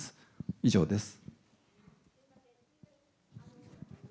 以上です。